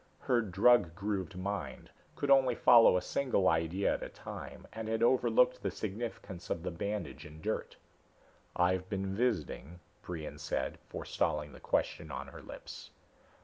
Her drug grooved mind could only follow a single idea at a time and had over looked the significance of the bandage and dirt. "I've been visiting," Brion said, forestalling the question on her lips.